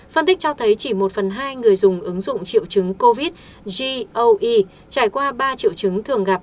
phân tích cho thấy chỉ một phần hai người dùng ứng dụng triệu chứng covid goe trải qua ba triệu chứng thường gặp